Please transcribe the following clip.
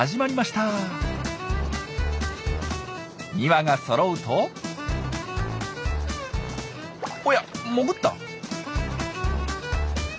２羽がそろうとおや潜った。